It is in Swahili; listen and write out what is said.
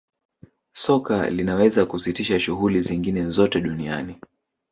soka linaweza kusitisha shughuli zingine zote duniani